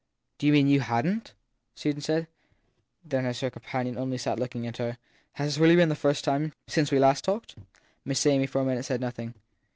Do you mean you hadn t ? Susan asked. Then as her companion only sat looking at her : Has this been really the first time for you since we last talked ? Miss Amy for a minute said nothing.